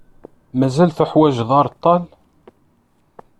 Mazal teḥwaǧeḍ areṭṭal?